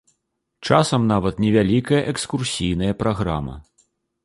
Часам нават невялікая экскурсійная праграма.